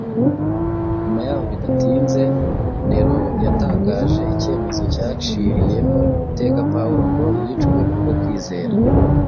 Nyuma y’aho bidatinze Nero yatangaje icyemezo cyaciriyeho iteka Pawulo ngo yicwe kubwo kwizera.